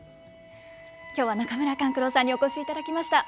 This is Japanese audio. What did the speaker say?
今日は中村勘九郎さんにお越しいただきました。